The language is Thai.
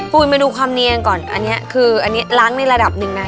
คุณมาดูความเนียงก่อนอันนี้คืออันนี้ล้างในระดับหนึ่งนะ